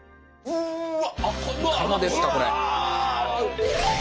うわ！